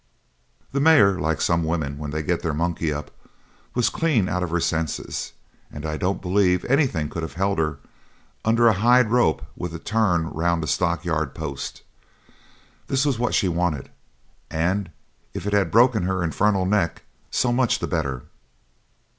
The mare, like some women when they get their monkey up, was clean out of her senses, and I don't believe anything could have held her under a hide rope with a turn round a stockyard post. This was what she wanted, and if it had broken her infernal neck so much the better.